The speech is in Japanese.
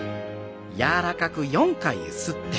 柔らかくゆすって。